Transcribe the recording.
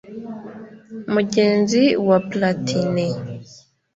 Mugenzi we Platini